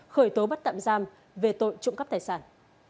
khởi tố bắt tạm giam về tội trộm cắp tài sản